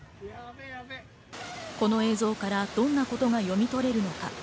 この映像からどんなことが読み取れるのか。